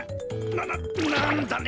なななんだね